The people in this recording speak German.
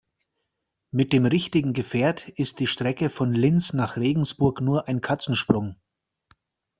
Mit dem richtigen Gefährt ist die Strecke von Linz nach Regensburg nur ein Katzensprung.